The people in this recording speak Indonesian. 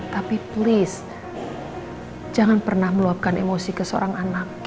tapi turis jangan pernah meluapkan emosi ke seorang anak